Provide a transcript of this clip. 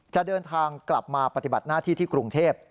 จะเดินทางกลับมาปฏิบัติหน้าที่ที่กรุงเทพ